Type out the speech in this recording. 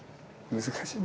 難しい。